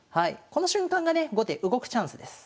この瞬間がね後手動くチャンスです。